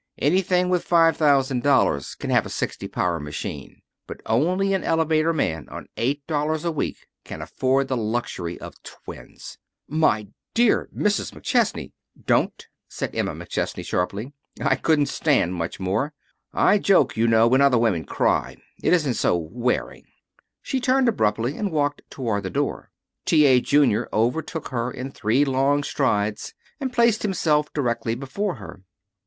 Anything with five thousand dollars can have a sixty power machine, but only an elevator man on eight dollars a week can afford the luxury of twins." "My dear Mrs. McChesney " "Don't," said Emma McChesney sharply. "I couldn't stand much more. I joke, you know, when other women cry. It isn't so wearing." She turned abruptly and walked toward the door. T. A. Junior overtook her in three long strides, and placed himself directly before her.